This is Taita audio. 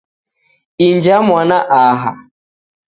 Inja mwana aha.